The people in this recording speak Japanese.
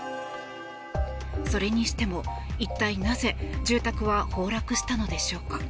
それにしても、一体なぜ住宅は崩落したのでしょうか。